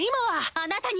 あなたに！